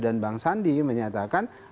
dan bang sandi menyatakan